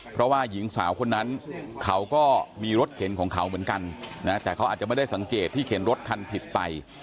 เพราะว่าหญิงสาวคนนั้นเขาก็มีรถเข็นของเขาเหมือนกันนะแต่เขาอาจจะไม่ได้สังเกตที่เข็นรถคันผิดไป